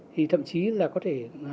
thì thậm chí là có thể